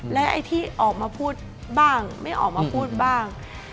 และไอ้ที่ออกมาพูดบ้างไม่ออกมาพูดบ้าง